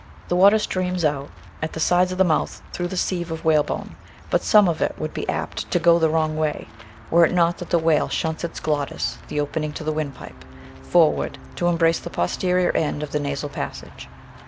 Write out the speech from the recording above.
The water streams out at the sides of the mouth through the sieve of whalebone, but some of it would be apt to "go the wrong way" were it not that the whale shunts its glottis (the opening to the windpipe) forward to embrace the posterior end of the nasal passage.